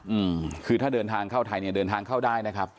อืมคือถ้าเดินทางเข้าไทยเนี่ยเดินทางเข้าได้นะครับ